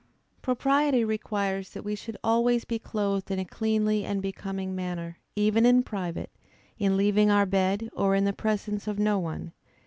_ Propriety requires that we should always be clothed in a cleanly and becoming manner, even in private, in leaving our bed, or in the presence of no one.